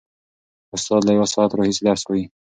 استاد له یوه ساعت راهیسې درس وايي.